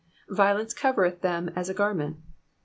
"Violence covereth them as a garment.''